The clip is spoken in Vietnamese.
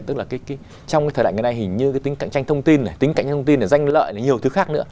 tức là trong thời đại ngày nay hình như cái tính cạnh tranh thông tin này tính cạnh tranh thông tin này danh lợi này nhiều thứ khác nữa